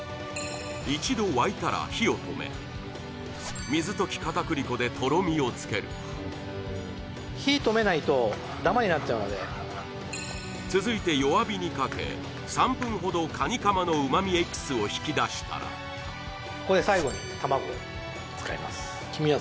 一度沸いたら火を止め水溶き片栗粉でとろみをつける続いて弱火にかけ３分ほどカニカマの旨味エキスを引き出したらここで最後に卵を使います